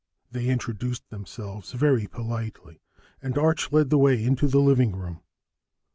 They introduced themselves very politely, and Arch led the way into the living room.